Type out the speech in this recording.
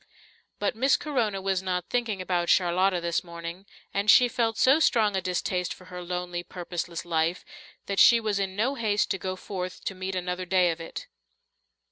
But Miss Corona was not thinking about Charlotta this morning, and she felt so strong a distaste for her lonely, purposeless life that she was in no haste to go forth to meet another day of it.